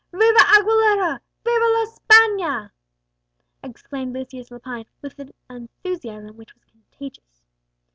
"Viva Aguilera! viva la Spagna!" exclaimed Lucius Lepine, with an enthusiasm which was contagious.